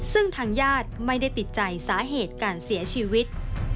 ซึ่งทางญาติไม่ได้ติดใจสาเหตุการเสียชีวิต